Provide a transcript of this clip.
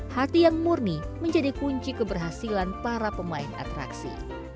hati yang murni menjadi kunci keberhasilan para pemain atraksi